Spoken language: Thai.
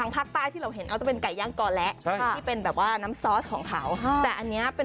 เป็นผักสดไง